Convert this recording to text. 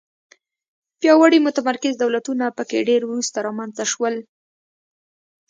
پیاوړي متمرکز دولتونه په کې ډېر وروسته رامنځته شول.